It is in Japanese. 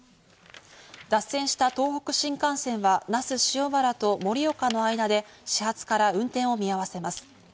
脱線した東北新幹線は那須塩原と盛岡の間で始発から運転を見合わせます。